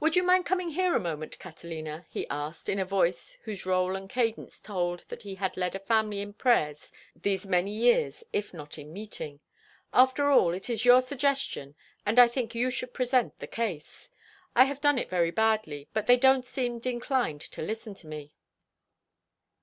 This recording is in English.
"Would you mind coming here a moment, Catalina?" he asked, in a voice whose roll and cadence told that he had led in family prayers these many years, if not in meeting. "After all, it is your suggestion, and I think you should present the case. I have done it very badly, and they don't seem inclined to listen to me."